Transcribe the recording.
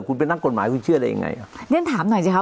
คุณเป็นนักกฎหมายคุณเชื่อได้ยังไงอ่ะเรียนถามหน่อยสิคะ